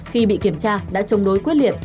khi bị kiểm tra đã chống đối quyết liệt